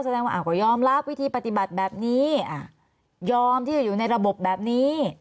แสดงว่าก็ยอมรับวิธีปฏิบัติแบบนี้ยอมที่จะอยู่ในระบบแบบนี้